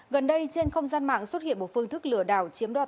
gần đây trên không gian mạng xuất hiện một phương thức lừa đảo chiếm đo tài